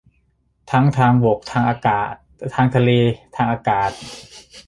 ทั้งทางบก ทางทะเล ทางอากาศ